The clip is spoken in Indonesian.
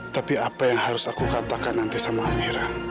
tapi apa yang harus aku katakan nanti sama amira